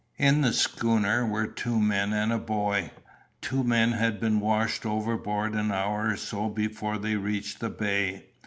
In the schooner were two men and a boy: two men had been washed overboard an hour or so before they reached the bay.